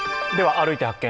「歩いて発見！